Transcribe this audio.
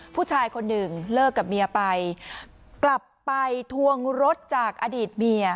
ผู้ชายคนหนึ่งเลิกกับเมียไปกลับไปทวงรถจากอดีตเมีย